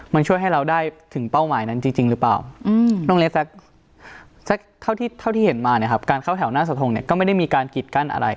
มันช่วยให้เราได้ถึงเป้าหมายรึเปล่าโรงเรียนแซ็กเท่าที่เห็นมาการเข้าแถวแสดงออกก็ไม่ได้มีการกิดกันอะไร